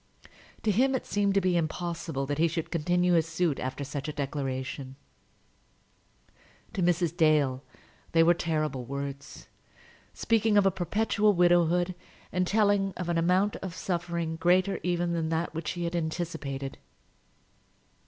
To him it seemed to be impossible that he should continue his suit after such a declaration. To Mrs. Dale they were terrible words, speaking of a perpetual widowhood, and telling of an amount of suffering greater even than that which she had anticipated.